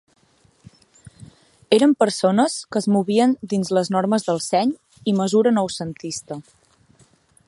Eren persones que es movien dins les normes del seny i mesura noucentista.